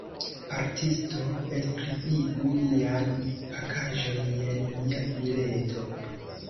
Portisto, enskribigu mian pakaĵon, jen mia bileto.